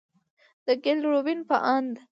د ګيل روبين په اند،